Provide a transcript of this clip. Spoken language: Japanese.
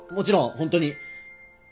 ホントに。